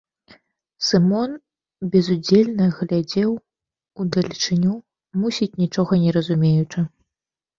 Сымон безудзельна глядзеў удалечыню, мусіць, нічога не разумеючы.